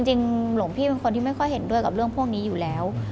หลวงพี่เป็นคนที่ไม่ค่อยเห็นด้วยกับเรื่องพวกนี้อยู่แล้ว